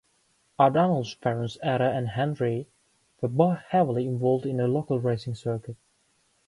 O'Donnell's parents, Etta and Henry, were both heavily involved in the local racing circuit.